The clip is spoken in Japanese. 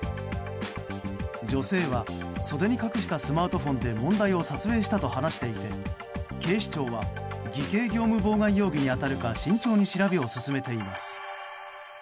女性は袖に隠したスマートフォンで問題を撮影したと話していて警視庁は偽計業務妨害容疑に当たるか慎重に調べを進めています。